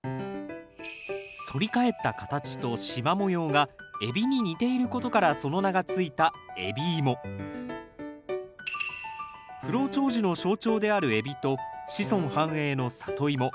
反り返った形としま模様が海老に似ていることからその名が付いた不老長寿の象徴である海老と子孫繁栄のサトイモ。